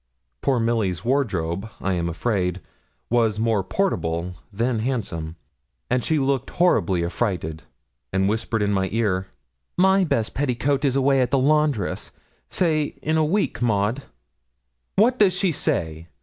Poor Milly's wardrobe, I am afraid, was more portable than handsome; and she looked horribly affrighted, and whispered in my ear 'My best petticoat is away at the laundress; say in a week, Maud.' 'What does she say?'